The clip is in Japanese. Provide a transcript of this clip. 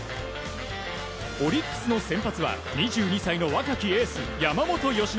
オリックスの先発は２２歳の若きエース、山本由伸。